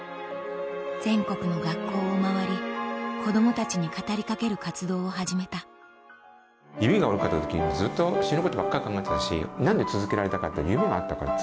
全国の学校を回り子供たちに語りかける活動を始めた指が悪かった時ずっと死ぬことばっかり考えてたし何で続けられたかって。